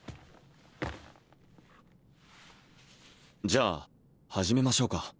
じゃあ始めましょうか